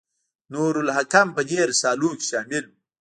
نور الحکم په دې رسالو کې شامل و.